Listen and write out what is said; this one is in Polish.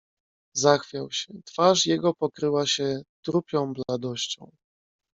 "Zachwiał się, twarz jego pokryła się trupią bladością."